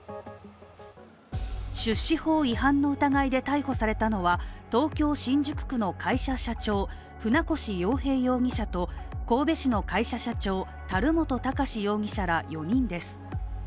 出資法違反の疑いで逮捕されたのは東京・新宿区の会社社長、船越洋平容疑者と神戸市の会社社長、樽本貴司容疑者ら４人です。